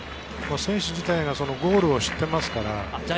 選手自体がゴールを知っていますから。